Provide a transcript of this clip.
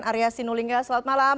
arya sinulinga selamat malam